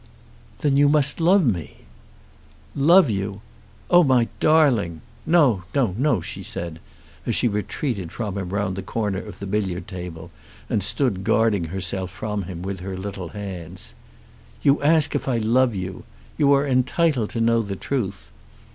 "Then you must love me." "Love you! Oh, my darling! No, no, no," she said, as she retreated from him round the corner of the billiard table, and stood guarding herself from him with her little hands. "You ask if I love you. You are entitled to know the truth.